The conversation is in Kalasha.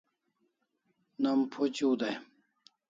Nom phuchiu dai